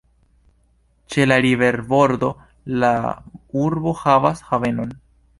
Ĉe la riverbordo la urbo havas havenon.